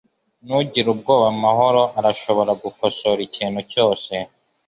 Ntugire ubwoba mahoro arashobora gukosora ikintu cyose